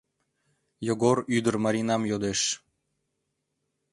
Йогор ӱдыр Маринам йодеш.